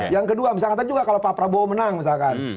yang kedua misalkan juga kalau pak prabowo menang misalkan